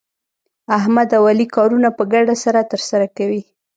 احمد او علي کارونه په ګډه سره ترسره کوي.